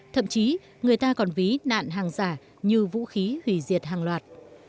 thậm chí người ta còn ví nạn hàng giả như vũ khí hủy diệt hàng loạt